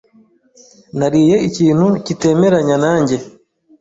Nariye ikintu kitemeranya nanjye.